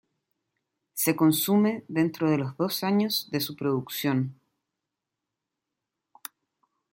Se consume dentro de los dos años de su producción..